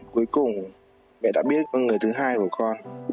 cuối cùng mẹ đã biết con người thứ hai của con